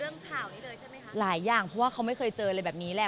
ข่าวนี้เลยใช่ไหมคะหลายอย่างเพราะว่าเขาไม่เคยเจออะไรแบบนี้แหละ